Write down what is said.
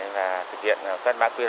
và thực hiện văn mạng qr